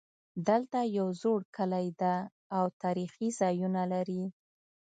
دلته یو زوړ کلی ده او تاریخي ځایونه لري